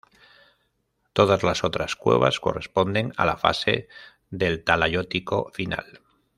Todas las otras cuevas corresponden a la fase del talayótico final.